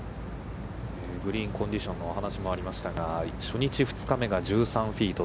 グリーンコンディションの話もありましたが、初日、２日目が１３フィート。